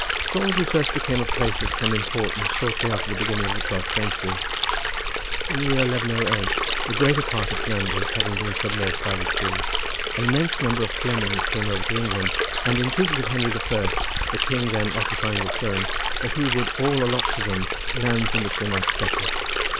Swansea first became a place of some importance shortly after the beginning of the twelfth century. In the year 1108 the greater part of Flanders having been submerged by the sea an immense number of Flemings came over to England, and entreated of Henry the First, the king then occupying the throne, that he would allot to them lands in which they might settle.